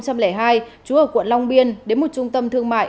trú ở quận long biên đến một trung tâm thương mại